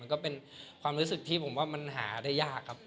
ก็เป็นความรู้สึกที่ผมว่ามันหาได้ยากครับ